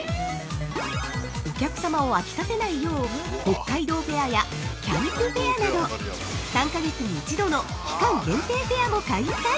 ◆お客様を飽きさせないよう北海道フェアやキャンプフェアなど３か月に一度の期間限定フェアも開催！